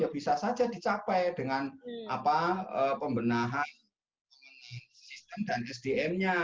bisa saja dicapai dengan pembenahan sistem dan sdm nya